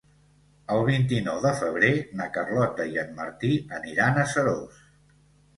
El vint-i-nou de febrer na Carlota i en Martí aniran a Seròs.